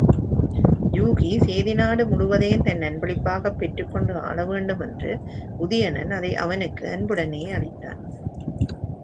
யூகி, சேதி நாடு முழுவதையும் தன் அன்பளிப்பாகப் பெற்றுக்கொண்டு ஆளவேண்டும் என்று உதயணன் அதை அவனுக்கு அன்புடனே அளித்தான்.